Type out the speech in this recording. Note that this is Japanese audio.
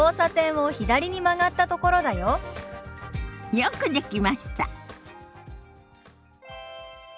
よくできました。